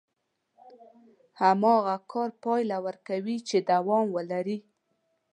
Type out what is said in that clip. هماغه کار پايله ورکوي چې دوام ولري.